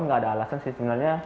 nggak ada alasan sih sebenarnya